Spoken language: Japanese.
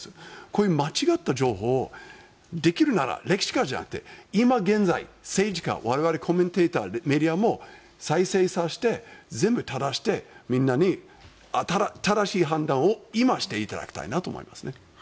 こういう間違った情報をできるなら、歴史家じゃなくて今現在、政治家我々コメンテーター、メディアも再生させて、全部正してみんなに正しい判断を今、していただきたいなと思いますね。